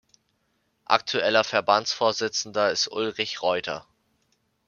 Aktueller Verbandsvorsitzender ist Ulrich Reuter.